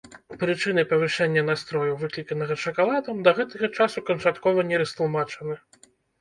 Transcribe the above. Прычыны павышэння настрою, выкліканага шакаладам, да гэтага часу канчаткова не растлумачаны.